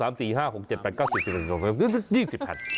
มันไม่ควรประมาณ๑๐